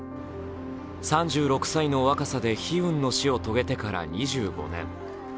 ３６歳の若さで悲運の死を遂げてから２５年。